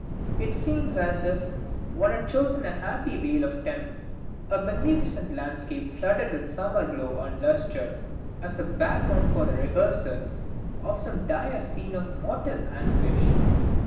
It seems as if one had chosen a happy vale of Tempe, a magnificent landscape flooded with summer glow and lustre, as a background for the rehearsal of some dire scene of mortal anguish.